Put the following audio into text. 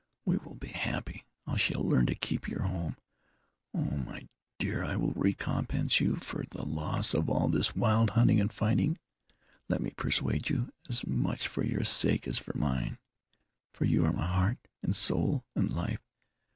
We will be happy. I shall learn to keep your home. Oh! my dear, I will recompense you for the loss of all this wild hunting and fighting. Let me persuade you, as much for your sake as for mine, for you are my heart, and soul, and life.